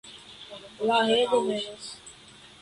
La reĝo venas.